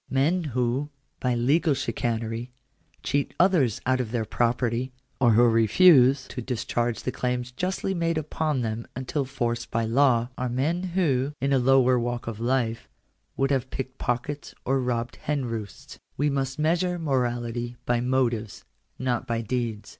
Men who, by legal chicanery, cheat others out of their property, or who refiise to discharge the claims justly made upon them until forced by Q Digitized by VjOOQIC 226 THE CONSTITUTION OF THE STATE. law, are men who, in a lower walk of life, would nave picked I pockets or robbed hen roosts. We must measure morality by ] motives, not by deeds.